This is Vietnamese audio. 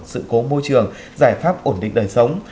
sự cố môi trường giải pháp ổn định đời sống